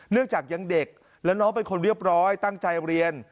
จากยังเด็กและน้องเป็นคนเรียบร้อยตั้งใจเรียน